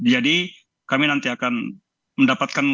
jadi kami nanti akan mendapatkan kesempatan